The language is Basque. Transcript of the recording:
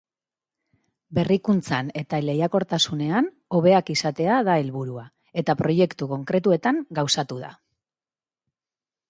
Berrikuntzan eta lehiakortasunean hobeak izatea da helburua, eta proiektu konkretuetan gauzatu da.